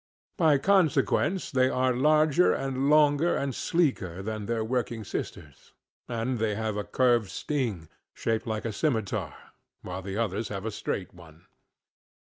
By consequence they are larger and longer and sleeker than their working sisters. And they have a curved sting, shaped like a scimitar, while the others have a straight one.